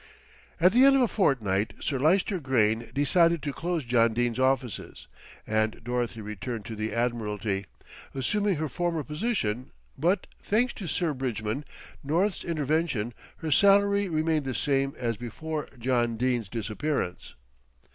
At the end of a fortnight Sir Lyster Grayne decided to close John Dene's offices, and Dorothy returned to the Admiralty, resuming her former position; but, thanks to Sir Bridgman North's intervention, her salary remained the same as before John Dene's disappearance.